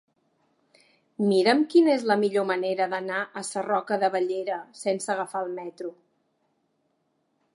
Mira'm quina és la millor manera d'anar a Sarroca de Bellera sense agafar el metro.